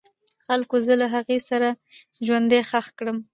خلکو زه له هغې سره ژوندی خښ کړم.